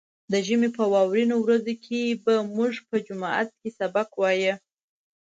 د ژمي په واورينو ورځو کې به موږ په جومات کې سبق وايه.